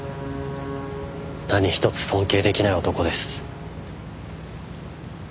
何一つ尊敬できない男です。